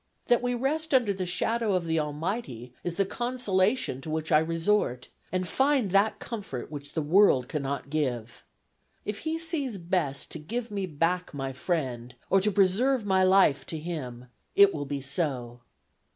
That we rest under the shadow of the Almighty is the consolation to which I resort, and find that comfort which the world cannot give. If He sees best to give me back my friend, or to preserve my life to him, it will be so."